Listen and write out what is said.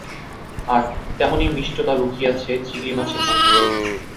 আর তেমনি মিষ্টতা লুকিয়ে আছে চিংড়ি মাছের মধ্যে।